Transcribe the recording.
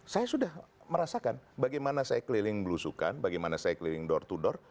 saya sudah merasakan bagaimana saya keliling belusukan bagaimana saya keliling door to door